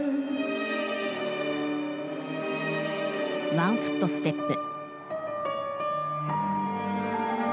ワンフットステップ。